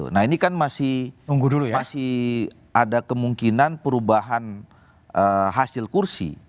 nah ini kan masih ada kemungkinan perubahan hasil kursi